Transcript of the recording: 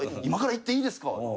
今から行っていいですか？